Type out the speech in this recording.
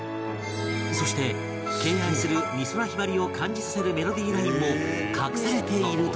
そして敬愛する美空ひばりを感じさせるメロディーラインも隠されているという